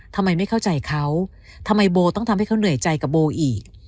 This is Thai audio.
ทำไมไม่เข้าใจเขาทำไมโบต้องทำให้เขาเหนื่อยใจกับโบอีก